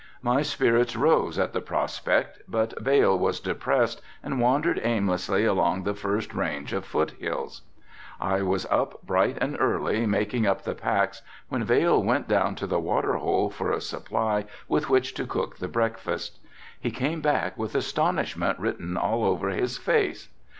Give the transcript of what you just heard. My spirits rose at the prospect, but Vail was depressed and wandered aimlessly along the first range of foot hills. I was up bright and early making up the packs when Vail went down to the water hole for a supply with which to cook the breakfast. He came back with astonishment written all over his face.